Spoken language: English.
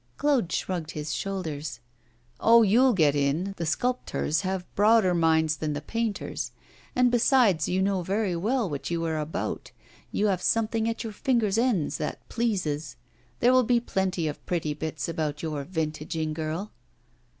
Claude shrugged his shoulders. 'Oh! you'll get in, the sculptors have broader minds than the painters. And, besides, you know very well what you are about; you have something at your fingers' ends that pleases. There will be plenty of pretty bits about your vintaging girl.